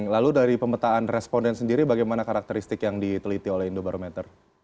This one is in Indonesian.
lalu dari pemetaan responden sendiri bagaimana karakteristik yang diteliti oleh indobarometer